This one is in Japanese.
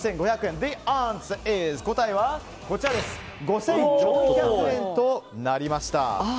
答えは５４００円となりました。